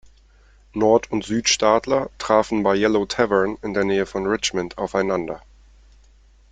Nord- und Südstaatler trafen bei Yellow Tavern, in der Nähe von Richmond, aufeinander.